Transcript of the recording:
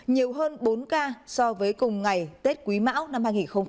nhiều hơn bốn ca so với cùng ngày tết quý mão năm hai nghìn hai mươi ba